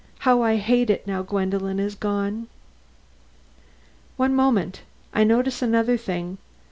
How I hate it, now Gwendolen is gone!" "One moment. I notice another thing.